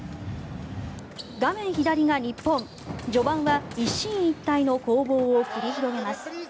画面左が日本、序盤は一進一退の攻防を繰り広げます。